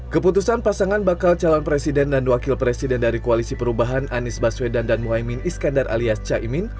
keputusan pasangan bakal calon presiden dan wakil presiden dari koalisi perubahan anies baswedan dan muhaymin iskandar alias caimin